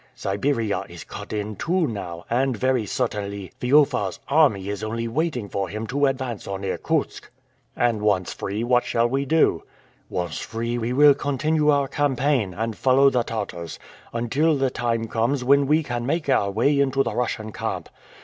Siberia is cut in two now, and very certainly Feofar's army is only waiting for him to advance on Irkutsk." "And once free, what shall we do?" "Once free, we will continue our campaign, and follow the Tartars, until the time comes when we can make our way into the Russian camp.